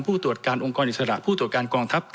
ผู้ตรวจการองค์กรอิสระผู้ตรวจการกองทัพ